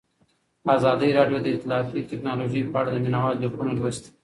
ازادي راډیو د اطلاعاتی تکنالوژي په اړه د مینه والو لیکونه لوستي.